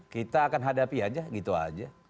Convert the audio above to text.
kita akan hadapi saja gitu saja